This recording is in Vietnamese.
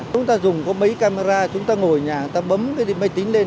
chúng ta dùng có mấy camera chúng ta ngồi ở nhà người ta bấm cái máy tính lên